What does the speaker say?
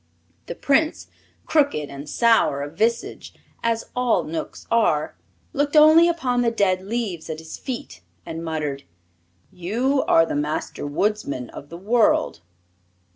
The Prince, crooked and sour of visage as all Knooks are, looked only upon the dead leaves at his feet and muttered: "You are the Master Woodsman of the World!"